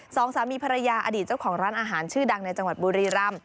สองสามีภรรยาอดีตเจ้าของร้านอาหารชื่อดังในจังหวัดบุรีรำ